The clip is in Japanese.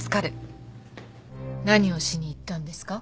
何をしに行ったんですか？